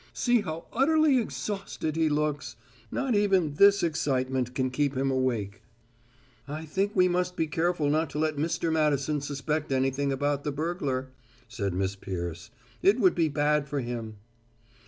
See how utterly exhausted he looks! Not even this excitement can keep him awake." "I think we must be careful not to let Mr. Madison suspect anything about the burglar," said Miss Peirce. "It would be bad for him."